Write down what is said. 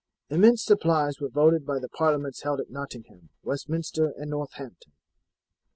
Immense supplies were voted by the parliaments held at Nottingham, Westminster, and Northamton.